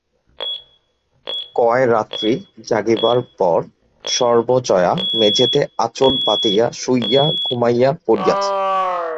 কয়রাত্রি জাগিবার পর সর্বজয়া মেজেতে আঁচল পাতিয়া শুইয়া ঘুমাইয়া পড়িয়াছে।